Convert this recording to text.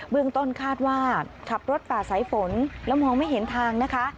เรื่องต้นคาดว่าขับรถฝ่าสายฝนแล้วมองไม่เห็นทางนะคะ